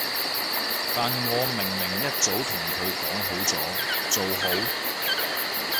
但我明明一早同佢講好咗，做好